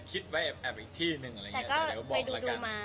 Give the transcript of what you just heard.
คิดไปแอบอีกที่หนึ่งแต่ก็ไปดูดูมา